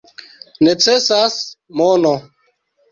Necesas mono.